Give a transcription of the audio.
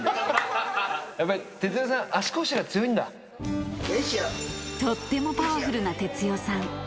やっぱり哲代さん、足腰が強とってもパワフルな哲代さん。